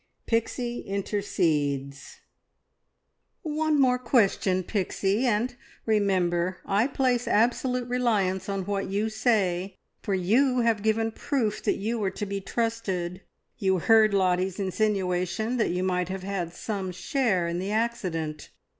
PIXIE INTERCEDES. "One more question, Pixie, and remember I place absolute reliance on what you say, for you have given proof that you are to be trusted. You heard Lottie's insinuation that you might have had some share in the accident!